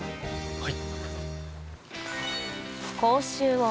はい。